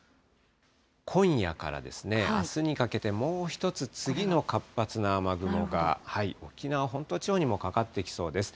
今夜からですね、あすにかけて、もう１つ次の活発な雨雲が、沖縄本島地方にもかかってきそうです。